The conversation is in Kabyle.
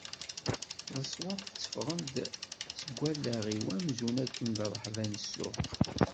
Leṣwat tteffɣen-d seg wallaɣ-iw amzun akken d rreḥba n ssuq.